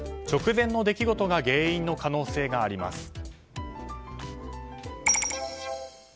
直前の出来事が原因の可能性があります。